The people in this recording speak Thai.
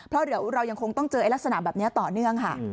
เพราะเดี๋ยวเรายังคงต้องเจอลักษณะแบบนี้ต่อเนื่องค่ะ